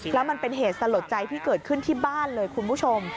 แล้วมันเป็นเหตุสลดใจที่เกิดขึ้นที่บ้านเลยคุณผู้ชม